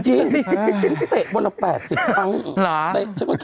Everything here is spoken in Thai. จริงเตะบนละ๘๐บัง